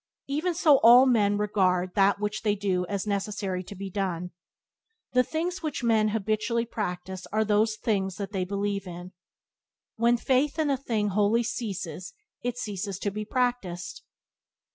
Even so all men regard that which they do as necessary to be done. The things which men habitually practice those things they believe in. When faith in a thing wholly ceases it ceases to be practiced.